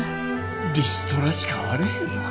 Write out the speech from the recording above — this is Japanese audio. リストラしかあれへんのか。